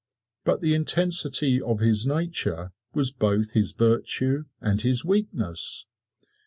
But the intensity of his nature was both his virtue and his weakness.